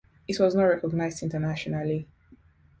It was not recognised internationally.